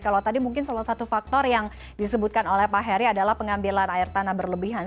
kalau tadi mungkin salah satu faktor yang disebutkan oleh pak heri adalah pengambilan air tanah berlebihan